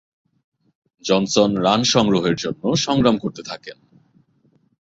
Johnson run সংগ্রহের জন্য সংগ্রাম করতে থাকেন।